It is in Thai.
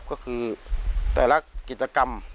ก็คือแต่ละกิจกรรม